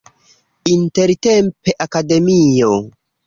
Intertempe Akademio.